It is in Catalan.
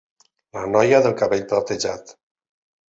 La noia del cabell platejat: